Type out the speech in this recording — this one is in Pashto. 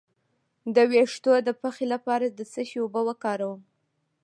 د ویښتو د پخې لپاره د څه شي اوبه وکاروم؟